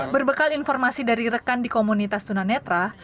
berbekal informasi dari rekan di komunitas tuna netra